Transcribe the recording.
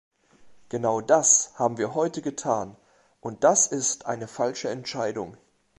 Genau das haben wir heute getan, und das ist eine falsche Entscheidung.